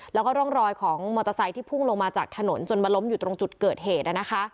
แล้วก็ร่องรอยของมอเตอร์ไซค์ที่พุ่งลงมาจากถนนจนมาล้มอยู่ตรงจุดเกิดเหตุ